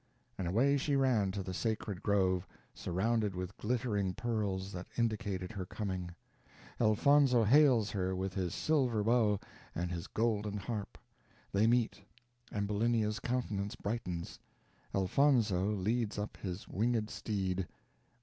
And away she ran to the sacred grove, surrounded with glittering pearls, that indicated her coming. Elfonzo hails her with his silver bow and his golden harp. They meet Ambulinia's countenance brightens Elfonzo leads up his winged steed.